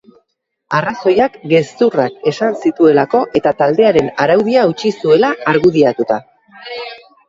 Arrazoiak gezurrak esan zituelako eta taldearen araudia hautsi zuela argudiatuta.